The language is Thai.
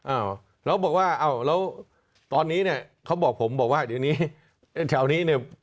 อ้าวแล้วบอกว่าอ้าวแล้วตอนนี้เนี่ยเขาบอกผมบอกว่าเดี๋ยวนี้ไอ้แถวนี้เนี่ย